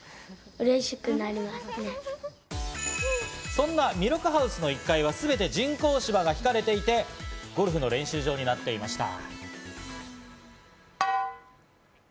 そんな弥勒ハウスの１階はすべて人工芝が敷かれていて、ゴルフの練習場になっていました。